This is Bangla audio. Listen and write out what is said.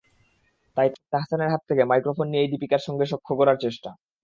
তাই তাহসানের হাত থেকে মাইক্রোফোন নিয়েই দীপিকার সঙ্গে সখ্য গড়ার চেষ্টা।